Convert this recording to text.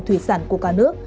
thủy sản của cả nước